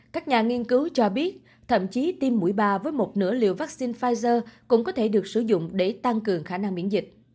các nhà nghiên cứu cho biết thậm chí tiêm mũi ba với một nửa liệu vaccine pfizer cũng có thể được sử dụng để tăng cường khả năng miễn dịch